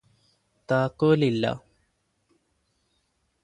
താക്കോല് ഇല്ല